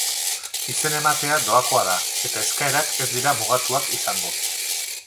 Izen ematea doakoa da eta eskaerak ez dira mugatuak izango.